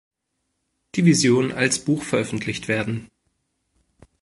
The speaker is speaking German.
Division als Buch veröffentlicht werden.